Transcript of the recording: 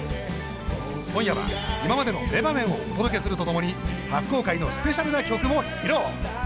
今夜は今までの名場面をお届けすると共に初公開のスペシャルな曲も披露。